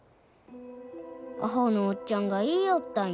アホのおっちゃんが言いよったんや。